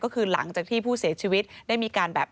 ก็คือหลังจากที่ผู้เสียชีวิตได้มีการแบบ